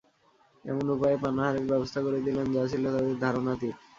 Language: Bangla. এমন উপায়ে পানাহারের ব্যবস্থা করে দিলেন, যা ছিল তাদের ধারণাতীত।